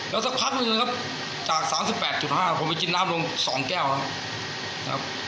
แล้วสักพักหนึ่งนะครับจากสามสิบแปดจุดห้าผมไปกินน้ำลงสองแก้วนะครับ